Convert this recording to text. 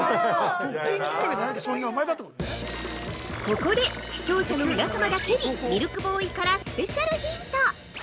◆ここで視聴者の皆様だけにミルクボーイからスペシャルヒント。